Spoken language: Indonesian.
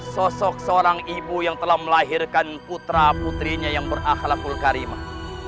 sosok seorang ibu yang telah melahirkan putra putrinya yang berahlakul karimah